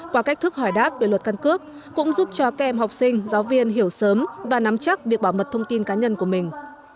qua cách thức hỏi đáp về luật căn cước cũng giúp cho các em học sinh giáo viên hiểu sớm và nắm chắc việc bảo mật thông tin cá nhân của mình